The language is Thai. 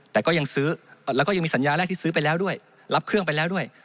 แล้วก็ยังมีสัญญาแรกที่ซื้อไปแล้วด้วยรับเครื่องไปแล้วด้วย